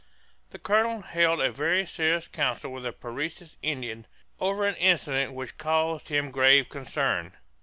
The colonel held a very serious council with the Parecis Indians over an incident which caused him grave concern.